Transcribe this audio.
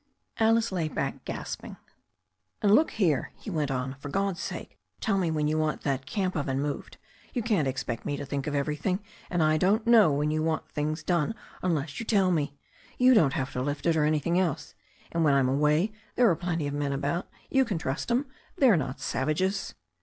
Alice lay back gasping. "And look here," he went on, "for God's sake tell me when you want that camp oven moved. You can't expect me to think of everything, and I don't know when you want things done unless you tell me. You don't have to lift it, or anything else. And when I'm away there are plenty of men about. You can trust 'em. They're not savages."